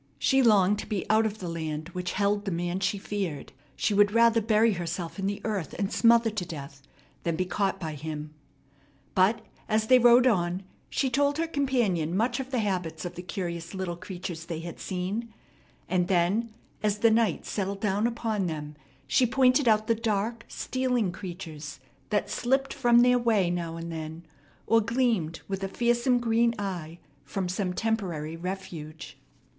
She longed to be out of the land which held the man she feared. She would rather bury herself in the earth and smother to death than be caught by him. But, as they rode on, she told her companion much of the habits of the curious little creatures they had seen; and then, as the night settled down upon them, she pointed out the dark, stealing creatures that slipped from their way now and then, or gleamed with a fearsome green eye from some temporary refuge.